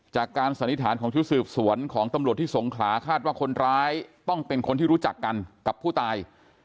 สันนิษฐานของชุดสืบสวนของตำรวจที่สงขลาคาดว่าคนร้ายต้องเป็นคนที่รู้จักกันกับผู้ตาย